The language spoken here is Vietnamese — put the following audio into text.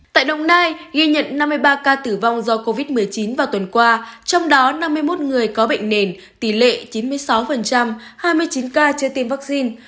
tại đồng nai ghi nhận năm mươi ba ca tử vong do covid một mươi chín vào tuần qua trong đó năm mươi một người có bệnh nền tỷ lệ chín mươi sáu hai mươi chín ca chưa tiêm vaccine